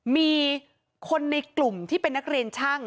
มีคนในกลุ่มที่เป็นนักเรียนช่าง